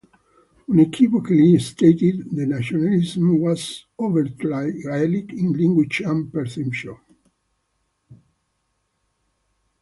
Unequivocally stated the nationalism was overtly gaelic in language and perception.